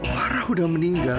farah udah meninggal